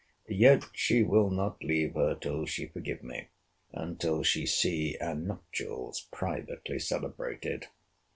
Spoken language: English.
Yet she will not leave her till she forgive me, and till she see our nuptials privately celebrated.